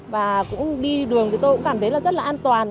và cũng đi đường thì tôi cũng cảm thấy là rất là an toàn